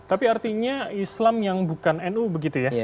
tapi artinya islam yang bukan nu begitu ya